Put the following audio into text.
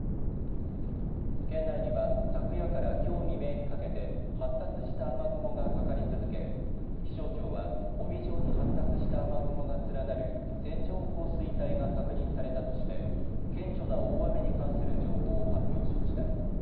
県内には昨夜からきょう未明にかけて発達した雨雲が、かかり続け気象庁は帯状に発達した雨雲が連なる線状降水帯が確認されたとして顕著な大雨に関する情報を発表しました。